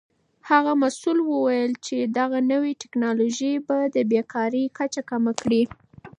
هغه مسؤل وویل چې دغه نوې تکنالوژي به د بیکارۍ کچه کمه کړي.